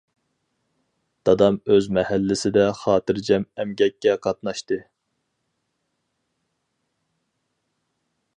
دادام ئۆز مەھەللىسىدە خاتىرجەم ئەمگەككە قاتناشتى.